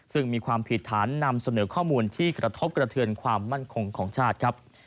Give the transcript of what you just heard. ซึ่งมีความผิดฐานนำเสนอข้อมูลที่กระทบกระเทือนความมั่นคงของชาติครับ